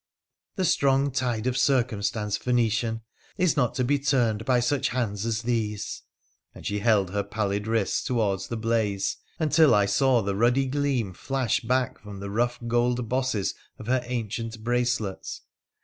' The strong tide of circumstance, Phoenician, is not to be turned by such hands as these '— and she held her pallid wrists towards the blaze, until I saw the ruddy gleam flash back from the rough gold bosses of her ancient bracelets.